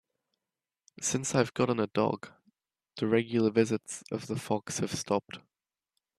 Since I've gotten a dog, the regular visits of the fox have stopped.